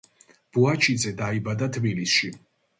ბუაჩიძე დაიბადა თბილისში.